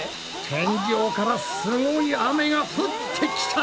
天井からすごい雨が降ってきた！